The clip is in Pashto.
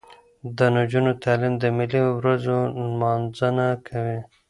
د نجونو تعلیم د ملي ورځو نمانځنه کوي.